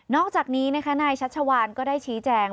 นอกจากนี้นายชัชชาวานก็ได้ชี้แจง